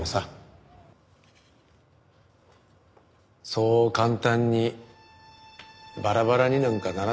そう簡単にバラバラになんかならないんだよ。